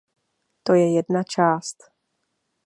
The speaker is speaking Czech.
To je jedna část.